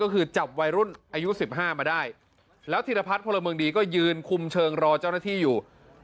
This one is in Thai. ก็คือจับวัยรุ่นอายุ๑๕มาได้แล้วธิรพัฒน์พลเมืองดีก็ยืนคุมเชิงรอเจ้าหน้าที่อยู่